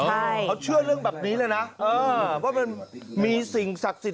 ใช่เขาเชื่อเรื่องแบบนี้เลยนะเออว่ามันมีสิ่งศักดิ์สิทธิ